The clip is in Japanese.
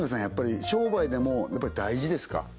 やっぱり商売でも大事ですか？